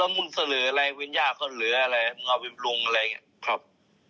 มันยากของเหลืออะไรอะไรก็เอาไปปลุงอะไรไงครับ